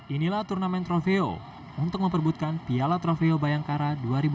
inilah turnamen trofeo untuk memperbutkan piala trofeo bayangkara dua ribu dua puluh